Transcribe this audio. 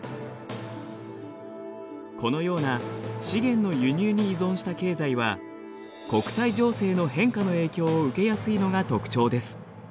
このような資源の輸入に依存した経済は国際情勢の変化の影響を受けやすいのが特徴です。